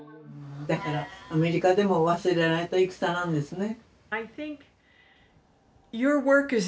だからアメリカでも忘れられた戦なんですね。